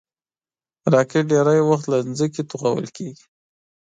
راکټ ډېری وخت له ځمکې توغول کېږي